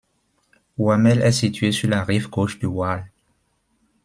Wamel est situé sur la rive gauche du Waal.